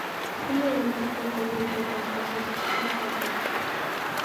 — Умылем, подполковник йолташ», — вашештыш Остапов.